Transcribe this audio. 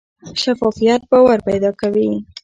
شفافیت باور پیدا کوي